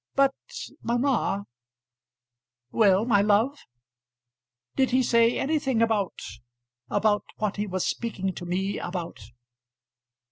"But, mamma " "Well, my love." "Did he say anything about about what he was speaking to me about?"